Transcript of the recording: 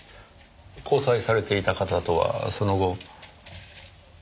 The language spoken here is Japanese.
交際されていた方とはその後？